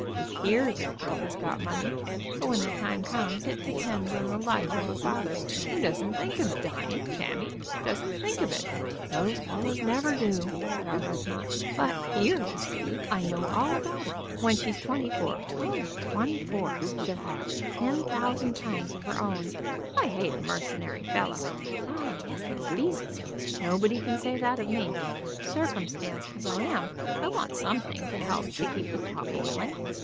You hear that a girl has got money, but when the time comes it depends on the life of a father who doesn't think of dying; damme, doesn't think of it." "Those fellows never do," said Arbuthnot. "But here, you see, I know all about it. When she's twenty four, only twenty four, she'll have ten thousand pounds of her own. I hate a mercenary fellow." "Oh yes; that's beastly." "Nobody can say that of me. Circumstanced as I am, I want something to help to keep the pot boiling.